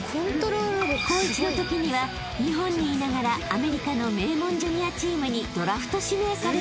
［高１のときには日本にいながらアメリカの名門ジュニアチームにドラフト指名されるほど］